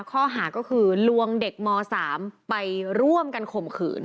ข้อหาก็คือลวงเด็กม๓ไปร่วมกันข่มขืน